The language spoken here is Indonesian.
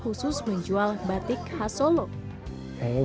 khusus menjual batik khas solo